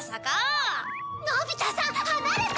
のび太さん離れて！